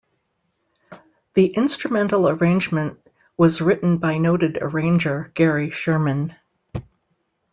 The instrumental arrangement was written by noted arranger Gary Sherman.